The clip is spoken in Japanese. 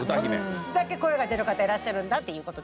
これだけ声が出る方いらっしゃるんだという事で。